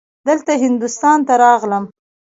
دلته هندوستان ته راغلم.